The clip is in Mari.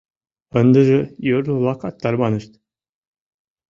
Ындыже йорло-влакат тарванышт.